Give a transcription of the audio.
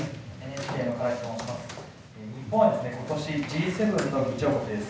日本はことし、Ｇ７の議長国です。